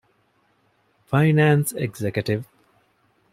ފައިނޭންސް އެގްޒެކެޓިވް